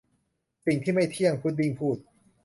'สิ่งที่ไม่เที่ยง !' พุดดิ้งพูด